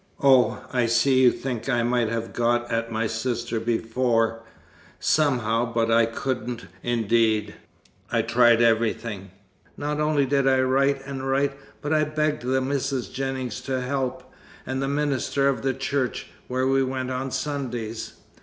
Oh, I see you think I might have got at my sister before, somehow, but I couldn't, indeed. I tried everything. Not only did I write and write, but I begged the Misses Jennings to help, and the minister of the church where we went on Sundays.